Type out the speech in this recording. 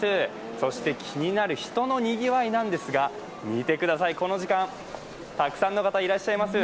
そして気になる人のにぎわいなんですが見てください、この時間、たくさんの方がいらっしゃいます。